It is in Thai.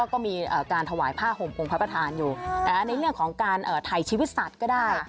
ก็มีการถวายผ้าห่มองค์พระประธานอยู่ในเรื่องของการถ่ายชีวิตสัตว์ก็ได้